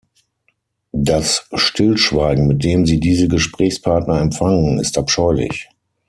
Das Stillschweigen, mit dem Sie diese Gesprächspartner empfangen, ist abscheulich.